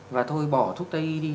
và thôi bỏ thuốc tay y đi